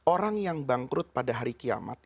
orang yang bangkrut pada hari kiamat